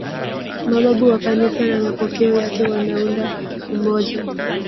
Mababu wa Kanisa na mapokeo yake wanaunda umoja